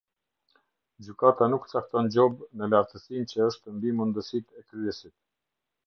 Gjykata nuk cakton gjobë në lartësinë që është mbi mundësitë e kryesit.